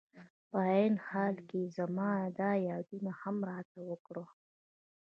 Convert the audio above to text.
په عین حال کې خان زمان دا یادونه هم راته وکړه.